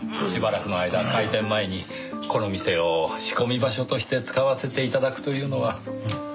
しばらくの間開店前にこの店を仕込み場所として使わせて頂くというのは。